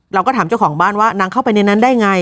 เราก็ถามเจ้าของบ้านว่านางเข้าไปในนั้นได้ไง